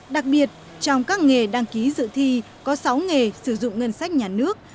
đặc biệt trong các nghề đăng ký dự thi có sáu nghề sử dụng ngân sách nhà nước